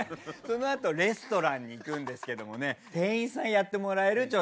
その後レストランに行くんですけどもね店員さんやってもらえる？